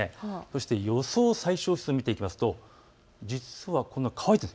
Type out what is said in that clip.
そして予想最小湿度を見ていきますと４２％。